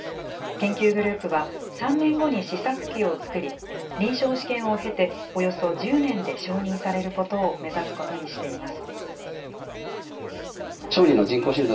研究グループは、３年後に試作機を作り、臨床試験を経ておよそ１０年で承認されることを目指すことにしています。